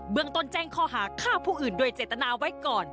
เมืองต้นแจ้งข้อหาฆ่าผู้อื่นโดยเจตนาไว้ก่อน